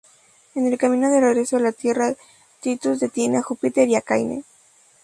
En el camino de regreso a la Tierra, Titus detiene a Júpiter y Caine.